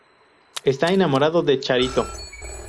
Está enamorado de Charito.